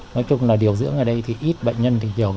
nói chung là điều dưỡng ở đây thì ít bệnh nhân thì hiểu